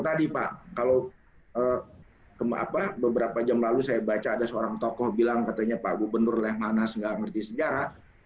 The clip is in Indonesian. tadi pak kalau beberapa jam lalu saya baca ada seorang tokoh bilang katanya pak gubernur lehmanas nggak ngerti sejarah